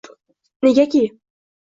Negaki